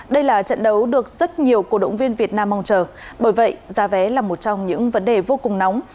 đây là trận đấu được rất nhiều cổ động viên việt nam mong chờ bởi vậy giá vé là một trong những vấn đề vô cùng nóng